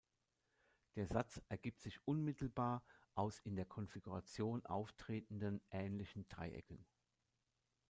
Der Satz ergibt sich unmittelbar aus in der Konfiguration auftretenden ähnlichen Dreiecken.